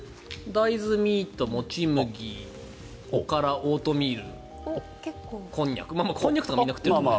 大豆ミート、もち麦おから、オートミールこんにゃくこんにゃくとかみんな食べていると思う。